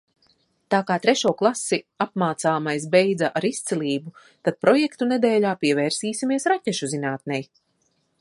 Tā kā trešo klasi apmācāmais beidza ar izcilību, tad projektu nedēļā pievērsīsimies raķešu zinātnei.